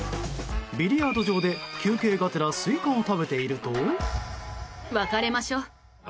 ビリヤード場で休憩がてらスイカを食べていると。